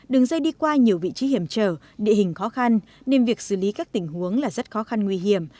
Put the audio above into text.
đường dây đi qua nhiều vị trí hiểm trở địa hình khó khăn nên việc xử lý các tình huống là rất khó khăn nguy hiểm